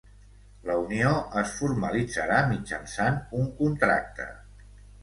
La unió es formalitzarà mitjançant un contracte.